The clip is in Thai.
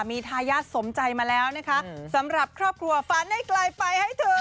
มีทายาทสมใจมาแล้วสำหรับครอบครัวฝาเนยไกลไปให้ถึง